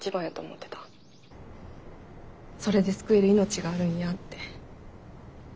それで救える命があるんやって。